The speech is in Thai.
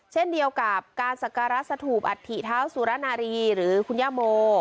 เช่นเดียวกับการสักการะสถูปอัฐิเท้าสุรนารีหรือคุณย่าโม